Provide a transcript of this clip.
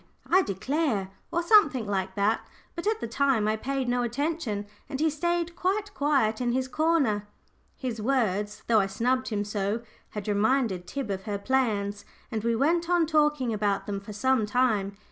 I declare!" or something like that, but at the time I paid no attention, and he stayed quite quiet in his corner. His words, though I snubbed him so, had reminded Tib of her plans, and we went on talking about them for some time.